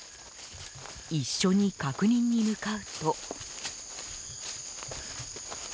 一緒に確認に向かうと。